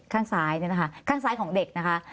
ข้างซ้ายเนี่ยนะคะข้างซ้ายของเด็กนะคะ